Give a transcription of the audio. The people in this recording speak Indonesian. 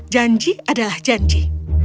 janji adalah janji